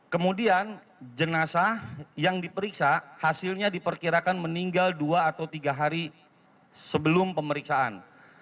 kemudian jenazah yang diperiksa hasilnya diperkirakan meninggal dua atau tiga hari sebelum pemeriksaan